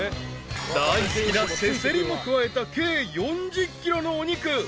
［大好きなせせりも加えた計４０ｋｇのお肉］